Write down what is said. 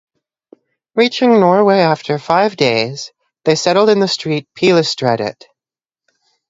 Reaching Norway after five days, they settled in the street Pilestredet.